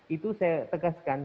itu saya tegaskan